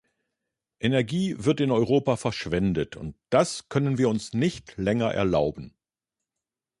Energie wird in Europa verschwendet und das können wir uns nicht länger erlauben.